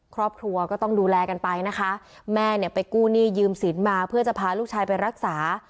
ครอบครัวก็ต้องดูแลกันไปนะคะแม่เนี่ยไปกู้หนี้ยืมสินมาเพื่อจะพาลูกชายไปรักษา